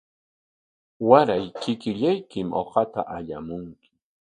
Waray kikillaykim uqata allamunki.